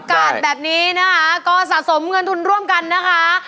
กาศแบบนี้นะคะก็สะสมเงินทุนร่วมกันนะคะ